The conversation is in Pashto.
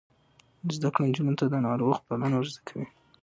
زده کړه نجونو ته د ناروغ پالنه ور زده کوي.